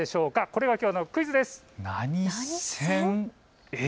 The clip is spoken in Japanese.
これがきょうのクイズです。